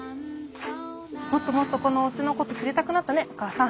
もっともっとこのおうちのこと知りたくなったねお母さん。